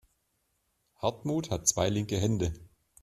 Hartmut hat zwei linke Hände.